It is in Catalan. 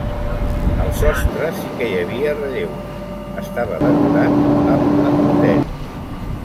Al sostre sí que hi havia relleus, estava decorat amb acroteris.